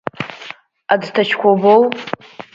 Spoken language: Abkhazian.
Аӡҭачқәа убоу?